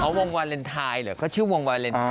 เขาวงวาเลนไทยเหรอเขาชื่อวงวาเลนไทย